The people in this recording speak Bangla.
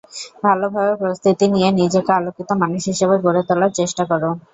ভালোভাবে প্রস্তুতি নিয়ে নিজেকে আলোকিত মানুষ হিসেবে গড়ে তোলার চেষ্টা করো।